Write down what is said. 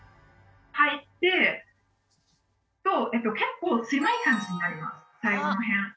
入っていくと結構狭い感じになります